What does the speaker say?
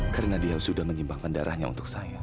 pa kenapa papa membebaskan